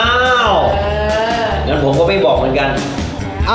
งั้นผมก็ไม่บอกเหมือนกัน